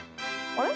あれ？